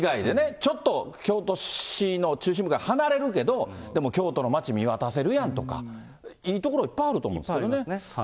ちょっと京都市の中心部から離れるけど、でも京都の街、見渡せるやんとか、いい所いっぱいあると思うんですけどね。